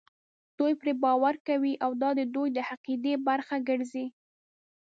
دوی پرې باور کوي او دا د دوی د عقیدې برخه ګرځي.